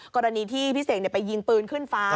กรณีที่พี่เสกไปยิงปืนขึ้นฟ้า